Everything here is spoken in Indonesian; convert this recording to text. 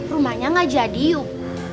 rumahnya gak jadi yuk